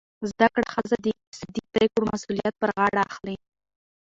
زده کړه ښځه د اقتصادي پریکړو مسؤلیت پر غاړه اخلي.